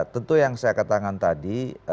tentu yang saya katakan tadi